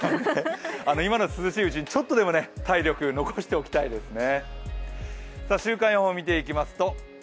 今の涼しいうちにちょっとでも体力、残しておきたいですね。